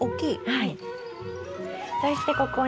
はい。